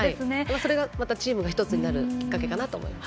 それがまたチームが１つになるきっかけかなと思います。